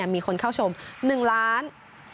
มีคนเข้าชม๑๓๖๙๗๘๐คน